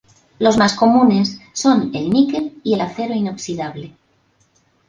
Los más comunes son el níquel y el acero inoxidable.